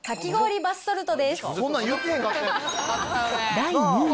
第２位。